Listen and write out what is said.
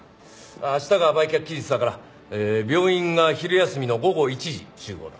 明日が売却期日だから病院が昼休みの午後１時集合だ。